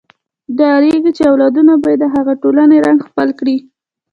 ډارېږي چې اولادونه به یې د هغې ټولنې رنګ خپل کړي.